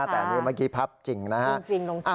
แต่เมื่อกี้พับจริงนะฮะจริงลงไป